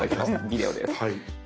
ビデオです。